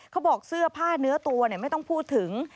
เขาบอกเสื้อผ้าเนื้อตัวไม่ต้องพูดถึง